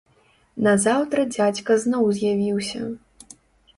Назаўтра дзядзька зноў з'явіўся.